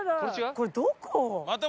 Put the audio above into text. これどこ？